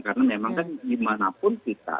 karena memang kan dimanapun kita